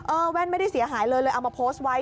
แว่นไม่ได้เสียหายเลยเลยเอามาโพสต์ไว้